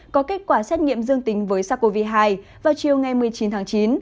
có kết quả xét nghiệm dương tính với sars cov hai vào chiều ngày một mươi chín tháng chín